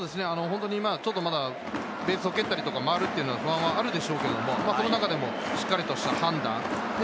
ちょっとまだベースを蹴ったりとか回ることに不安はあるでしょうけれど、その中でもしっかりした判断。